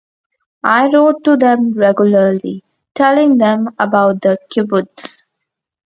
I wrote to them regularly, telling them about the kibbutz.